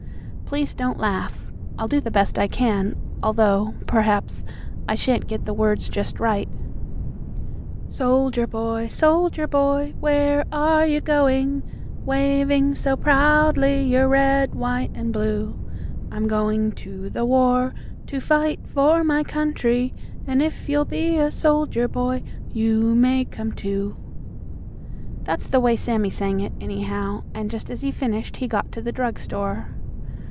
Please don't laugh. I'll do the best I can, although, perhaps, I shan't get the words just right: "'Soldier boy, soldier boy, where are you going, Waving so proudly your red, white and blue?' 'I'm going to the war to fight for my country, And if you'll be a soldier boy, you may come too.'" That's the way Sammie sang it, anyhow, and just as he finished he got to the drug store.